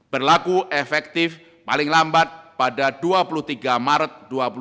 berlaku efektif paling lambat pada dua puluh tiga maret dua ribu dua puluh